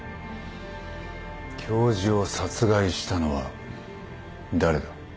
教授を殺害したのは誰だ？